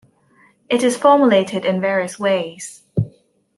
It is formulated in various ways.